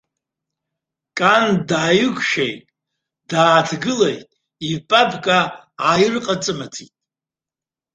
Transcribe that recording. Кан дааикәашәеит, дааҭгылеит, ипапка ааирҟаҵымыҵит.